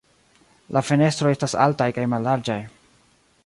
La fenestroj estas altaj kaj mallarĝaj.